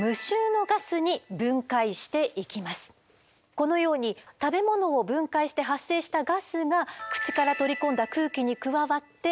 このように食べ物を分解して発生したガスが口から取り込んだ空気に加わってオナラになります。